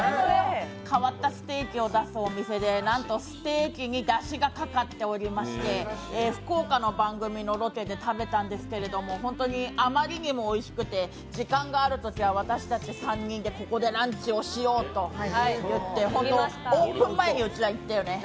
変わったステーキを出すお店でなんとステーキにだしがかかっておりまして福岡の番組のロケで食べたんですけど本当にあまりにもおいしくて時間があるときは私たち３人でここでランチをしようと言ってホント、オープン前にうちら行ったよね。